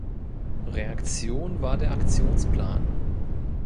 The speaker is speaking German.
Reaktion war der Aktionsplan.